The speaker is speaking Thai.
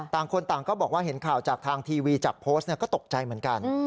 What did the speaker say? ต่างคนต่างก็บอกว่าเห็นข่าวจากทางทีวีจากโพสต์ก็ตกใจเหมือนกัน